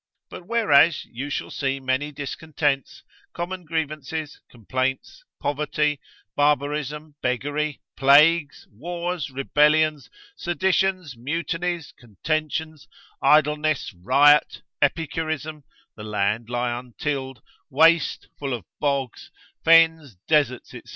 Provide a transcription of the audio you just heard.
But whereas you shall see many discontents, common grievances, complaints, poverty, barbarism, beggary, plagues, wars, rebellions, seditions, mutinies, contentions, idleness, riot, epicurism, the land lie untilled, waste, full of bogs, fens, deserts, &c.